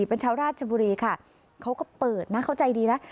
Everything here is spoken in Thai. เป็นชาวราชบุรีค่ะเขาก็เปิดนะเขาใจดีนะ